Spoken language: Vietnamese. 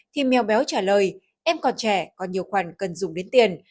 thì mèo béo trả lời em còn trẻ còn nhiều khoản cần dùng đến tiền